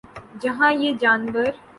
جہاں یہ جانور